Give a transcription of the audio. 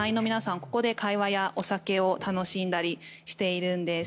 ここで会話やお酒を楽しんだりしているんです。